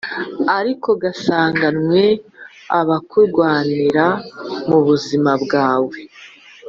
Ariko gasanganwe abakurwanira mubuzima bwawe